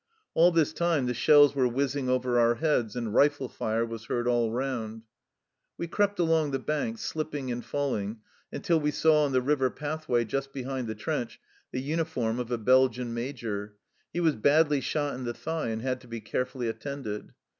All this time the shells were whizzing over our heads and rifle fire was heard all round. " We crept along the bank, slipping and falling, until we saw on the river pathway, just behind the trench, the uniform of a Belgian Major. He was badly shot in the thigh, and had to be carefully attended.